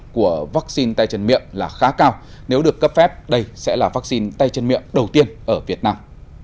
giá trị phòng chống bệnh tay chân miệng khá cao nếu được cấp phép đây sẽ là vaccine tay chân miệng đầu tiên ở việt nam